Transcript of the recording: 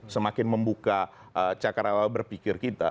semakin membuka cakar awal berpikir kita